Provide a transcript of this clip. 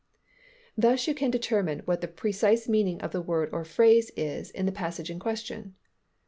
Thus you can determine what the precise meaning of the word or phrase is in the passage in question.